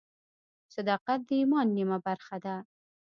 صداقت د ایمان نیمه برخه ده.